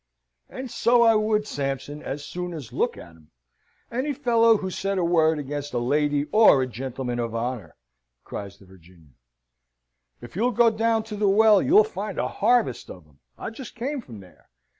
"And so I would, Sampson, as soon as look at 'em: any fellow's who said a word against a lady or a gentleman of honour!" cries the Virginian. "If you'll go down to the Well, you'll find a harvest of 'em. I just came from there.